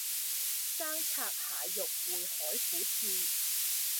生拆蟹肉燴海虎翅